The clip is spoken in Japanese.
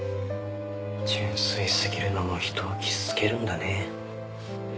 純粋過ぎるのも人を傷つけるんだね。